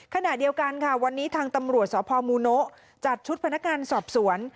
ขณะเดียวกันค่ะวันนี้ทางตำรวจสพมูโนะจัดชุดพนักงานสอบสวน